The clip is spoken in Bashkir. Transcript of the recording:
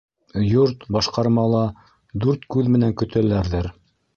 Йорт-башҡармала дүрт күҙ менән көтәләрҙер.